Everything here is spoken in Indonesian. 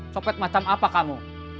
copet macam apa kamu